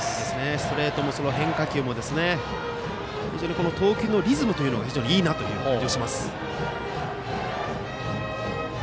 ストレートも変化球も非常に投球のリズムがいい感じがします。